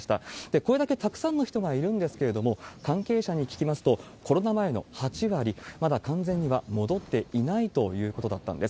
これだけたくさんの人がいるんですけれども、関係者に聞きますと、コロナ前の８割、まだ完全には戻っていないということだったんです。